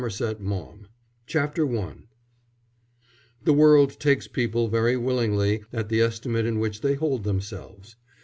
1906 THE BISHOP'S APRON I The world takes people very willingly at the estimate in which they hold themselves.